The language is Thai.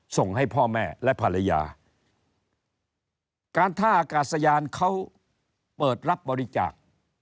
ส่งให้พ่อแม่และภรรยาการท่าอากาศยานเขาเปิดรับบริจาค